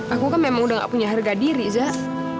aku kan memang udah gak punya harga diri zah